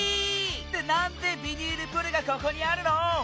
ってなんでビニールプールがここにあるの？